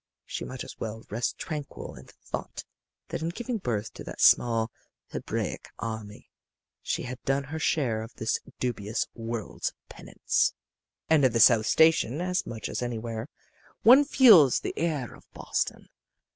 She might well rest tranquil in the thought that in giving birth to that small Hebraic army she had done her share of this dubious world's penance. "And in the South Station, as much as anywhere, one feels the air of Boston.